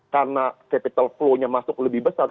karena capital flow nya masuk lebih besar